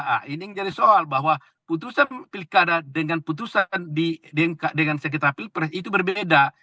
nah ini yang jadi soal bahwa putusan pilkada dengan putusan dengan sekretar pilpres itu berbeda